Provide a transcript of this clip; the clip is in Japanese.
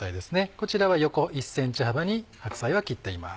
こちらは横１ｃｍ幅に白菜は切っています。